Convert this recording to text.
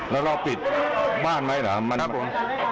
แล้วรอปิดบ้านไว้เหรอมานับผม